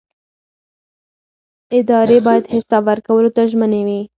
ادارې باید حساب ورکولو ته ژمنې وي